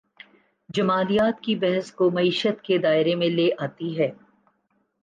جمالیات کی بحث کو معیشت کے دائرے میں لے آتی ہے۔